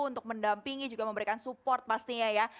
untuk mendampingi juga memberikan support pastinya ya